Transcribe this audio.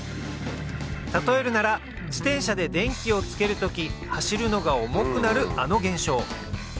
例えるなら自転車で電気をつける時走るのが重くなるあの現象